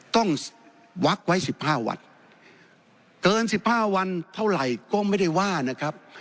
ต้องวักไว้๑๕วันเกิน๑๕วันเท่าไหร่ก็ไม่ได้ว่านะครับ